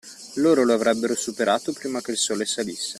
Loro lo avrebbero superato prima che il Sole salisse.